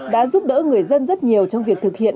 đã giúp đỡ người dân rất nhiều trong việc thực hiện